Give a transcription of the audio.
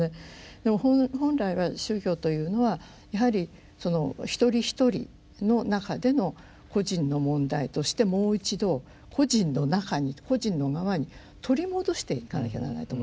でも本来は宗教というのはやはり一人一人の中での個人の問題としてもう一度個人の中に個人の側に取り戻していかなきゃならないと思うんです。